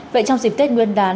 vậy trong dịp tết nguyên đà